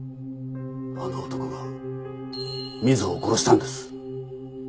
あの男が瑞穂を殺したんです。